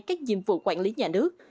các nhiệm vụ quản lý nhà nước